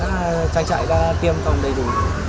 trang trại đã tiêm tổng đầy đủ